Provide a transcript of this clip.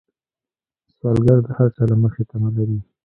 سوالګر د هر چا له مخې تمه لري